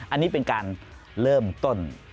อันนี้เป็นการเริ่มต้น